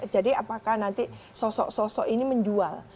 jadi apakah nanti sosok sosok ini menjual